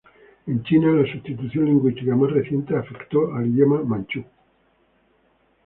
En China la sustitución lingüística más reciente afectó al idioma manchú.